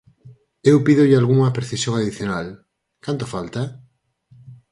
Eu pídolle algunha precisión adicional: ¿canto falta?